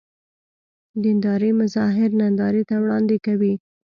دیندارۍ مظاهر نندارې ته وړاندې کوي.